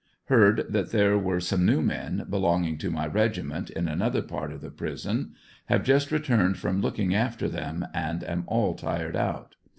Heard that there were some new men belojiging to my regiment in another part of the prison; have just returned from looking after them and am all tired out.